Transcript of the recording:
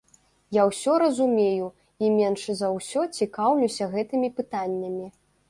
Я ўсё разумею і менш за ўсё цікаўлюся гэтымі пытаннямі.